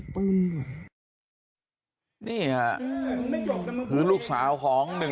บอกแล้วบอกแล้วบอกแล้ว